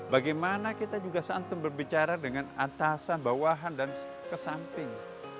bagaimana kita juga santun berbicara dengan atasan bawahan dan ke samping